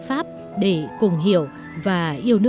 tôi thích mọi thứ